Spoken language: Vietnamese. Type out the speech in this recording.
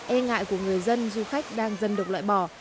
e ngại của người dân du khách đang dần được loại bỏ